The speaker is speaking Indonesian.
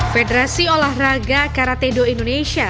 federasi olahraga karate dose indonesia